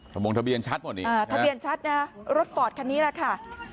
โมงทะเบียนชัดหมดอีกอ่าทะเบียนชัดนะรถฟอร์ดคันนี้แหละค่ะ